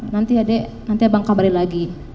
nanti adik nanti abang kabari lagi